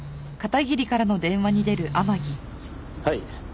はい。